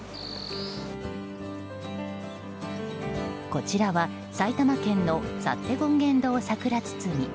こちらは、埼玉県の幸手権現堂桜堤。